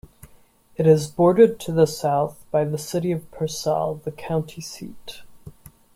It is bordered to the south by the city of Pearsall, the county seat.